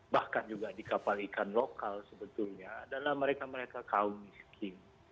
bahkan juga di kapal ikan lokal sebetulnya adalah mereka mereka kaum miskin